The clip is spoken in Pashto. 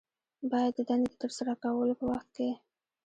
باید د دندې د ترسره کولو په وخت کې